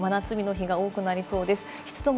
はい、真夏日の日が多くなりそうです。